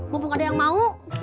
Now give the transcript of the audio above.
mumpung ada yang mau